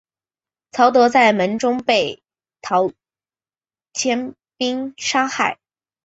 曹德在门中被陶谦兵杀害。